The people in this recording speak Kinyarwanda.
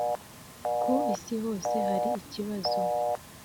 ku isi hose hari ikibazo